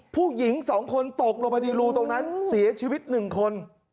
ผู้หญิงสองคนตกลูตรงนั้นเสียชีวิตหนึ่งคน